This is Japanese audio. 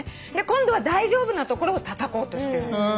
今度は大丈夫なところをたたこうとしてるの。